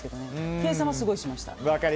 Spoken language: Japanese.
計算はすごいしました。